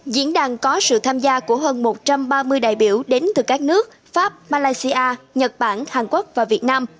diễn đàn có sự tham gia của hơn một trăm ba mươi đại biểu đến từ các nước pháp malaysia nhật bản hàn quốc và việt nam